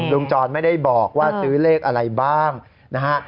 จรไม่ได้บอกว่าซื้อเลขอะไรบ้างนะฮะ